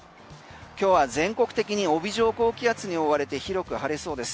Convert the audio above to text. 今日は全国的に帯状高気圧に覆われて広く晴れそうです。